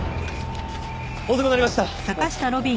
遅くなりました！